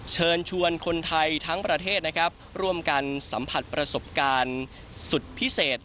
เชิญชวนคนไทยทั้งประเทศนะครับร่วมกันสัมผัสประสบการณ์สุดพิเศษ